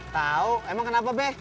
tau emang kenapa be